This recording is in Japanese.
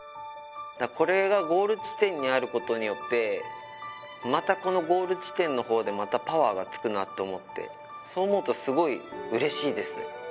これがゴール地点にあることによってまたこのゴール地点のほうでまたパワーがつくなって思ってそう思うとすごい嬉しいですね